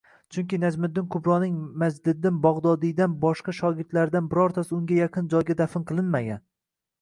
Chunki Najmiddin Kubroning Majdiddin Bagʻdodiydan boshqa shogirdlaridan birortasi unga yaqin joyga dafn qilinmagan